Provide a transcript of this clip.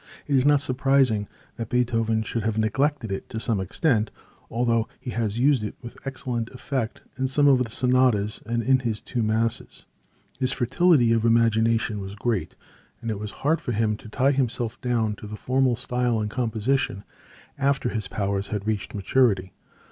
It is not surprising that Beethoven should have neglected it to some extent, although he has used it with excellent effect in some of the sonatas and in his two masses. His fertility of imagination was great and it was hard for him to tie himself down to the formal style in composition, after his powers had reached maturity.